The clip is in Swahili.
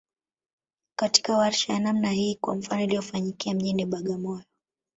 katika warsha ya namna hii kwa mfano iliyofanyikia mjini Bagamoyo